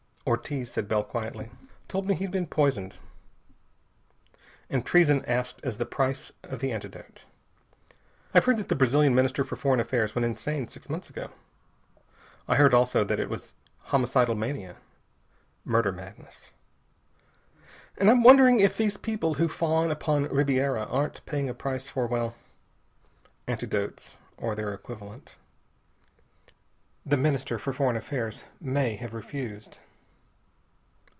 "Ortiz," said Bell quietly, "told me he'd been poisoned, and treason asked as the price of the antidote. I've heard that the Brazilian Minister for Foreign Affairs went insane six months ago. I heard, also, that it was homicidal mania murder madness. And I'm wondering if these people who fawn upon Ribiera aren't paying a price for well antidotes, or their equivalent. The Minister for Foreign Affairs may have refused."